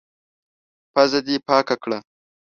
پزه دي پاکه کړه!